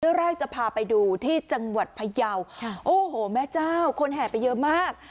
เรื่องแรกจะพาไปดูที่จังหวัดพยาวโอ้โหแม่เจ้าคนแห่ไปเยอะมาก